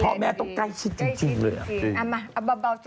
เพราะแม่ต้องใกล้ชิดจริงเลยอะ